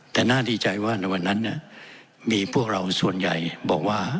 แต่น่าดีใจว่าในวันนั้นมีพวกเราส่วนใหญ่บอกว่า